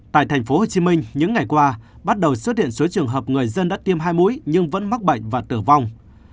tại thành phố hồ chí minh những ngày qua bắt đầu xuất hiện số trường hợp người dân đã tiêm hai mũi nhưng vẫn mắc bệnh và tử vong